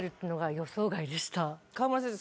川村先生